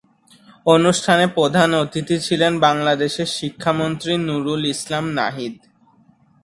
অনুষ্ঠানে প্রধান অতিথি ছিলেন বাংলাদেশের শিক্ষামন্ত্রী নুরুল ইসলাম নাহিদ।